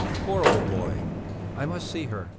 poor old boy!" "I must see her!